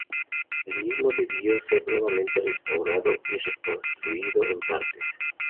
El mismo debió ser nuevamente restaurado y reconstruido en partes.